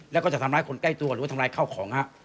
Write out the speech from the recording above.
แล้วก็จะทำร้ายคนใกล้ตัวหรือว่าทำร้ายข้าวของฮะ